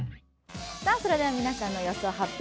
それでは皆さんの予想発表